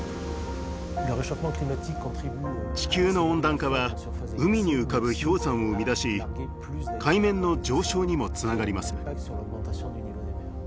地球の温暖化は海に浮かぶ氷山を生み出し海面の上昇にもつながります。